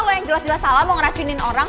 lo yang jelas jelas salah mau ngerafinin orang